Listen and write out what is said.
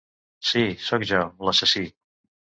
Sí, soc jo, l'assassí.